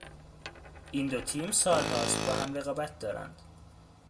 این دو تیم سالهاست با هم رقابت دارند.